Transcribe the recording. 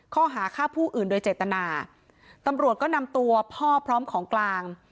ข้อหาฆ่าผู้อื่นโดยเจตนาตำรวจก็นำตัวพ่อพร้อมของกลาง